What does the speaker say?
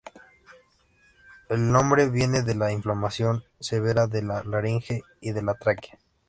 El nombre viene de la inflamación severa de la laringe y la tráquea.